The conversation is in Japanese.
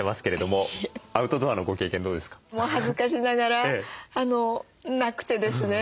もう恥ずかしながらなくてですね。